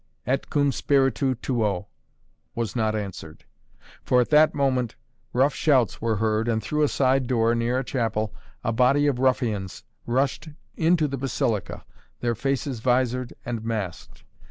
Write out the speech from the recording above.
"Et cum spiritu tuo," was not answered. For at that moment rough shouts were heard and through a side door, near a chapel, a body of ruffians rushed into the Basilica, their faces vizored and masked.